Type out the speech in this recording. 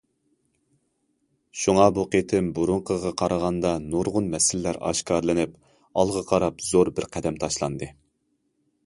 شۇڭا، بۇ قېتىم بۇرۇنقىغا قارىغاندا نۇرغۇن مەسىلىلەر ئاشكارىلىنىپ ئالغا قاراپ زور بىر قەدەم تاشلاندى.